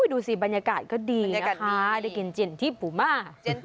ดูสิบรรยากาศก็ดีนะคะได้กินเจียนทิปูมา